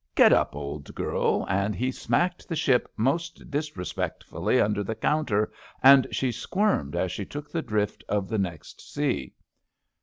Get up, old girl I '* and he smacked the ship most disrespectfully un der the counter, and she squirmed as she took the drift of the next sea.